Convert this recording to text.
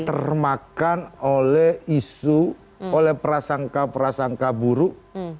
makanya jangan termakan oleh isu oleh prasangka prasangka buruk